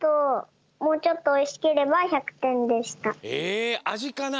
えあじかな？